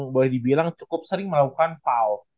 boleh dibilang cukup sering melakukan paul